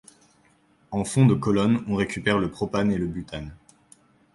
En fond de colonne on récupère le propane et le butane.